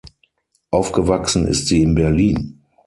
Aufgewachsen ist sie in Berlin.